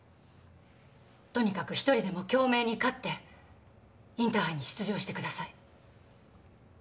とにかく１人でも京明に勝ってインターハイに出場してください。